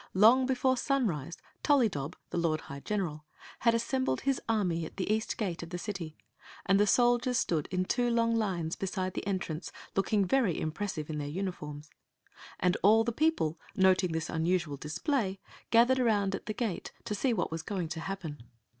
Long before sunrise Tollydob, the lord high general, had assembled his army at the east gate of the city ; and the soldiers stood in two long lines beside the entrance, looking very impressive in their uniforms. And all the people, noting this unu sual display, gathered around at the gate to see what was going to happen.